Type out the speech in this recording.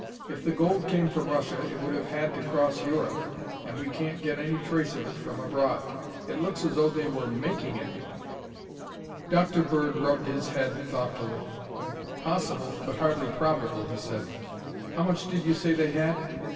If the gold came from Russia, it would have had to cross Europe, and we can't get any trace of it from abroad. It looks as though they were making it." Dr. Bird rubbed his head thoughtfully. "Possible, but hardly probable," he said. "How much did you say they had?"